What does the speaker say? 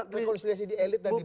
rekonsiliasi di elit dan di bawah